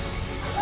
あ！